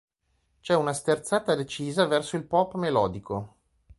C'è una sterzata decisa verso il pop melodico.